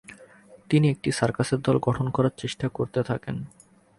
তিনি একটি সার্কাসের দল গঠন করার চেষ্টা করতে থাকেন।